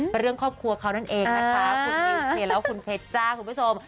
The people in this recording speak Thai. เป็นเรื่องครอบครัวเขานั่นเองนะคะคุณนิวส์เนี่ยแล้วคุณเพชรจ้าคุณผู้ชม